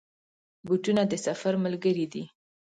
بوټونه د سفر ملګري دي.